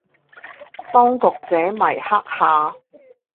當局者迷克夏